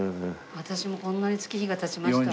私もこんなに月日が経ちました。